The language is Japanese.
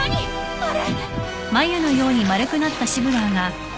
あれ！